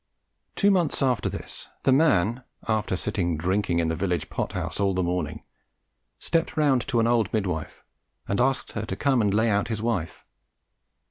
Two months after this the man, after sitting drinking in the village pot house all the morning, stepped round to an old mid wife and asked her "to come and lay his wife out."